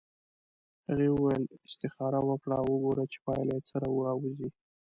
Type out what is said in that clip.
هغې وویل استخاره وکړه او وګوره چې پایله یې څه راوځي.